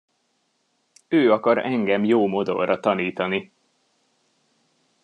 Ő akar engem jó modorra tanítani!